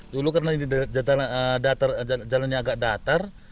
dulu karena ini jalannya agak datar